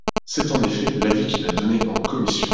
C’est, en effet, l’avis qu’il a donné en commission.